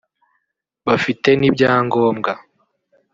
bafite n’ibyangombwa